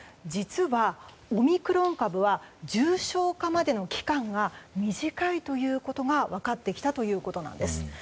実は、オミクロン株は重症化までの期間が短いということが分かってきたということなんです。